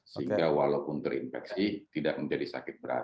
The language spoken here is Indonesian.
sehingga walaupun terinfeksi tidak menjadi sakit berat